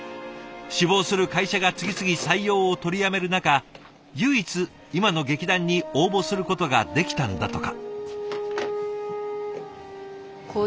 志望する会社が次々採用を取りやめる中唯一今の劇団に応募することができたんだとか。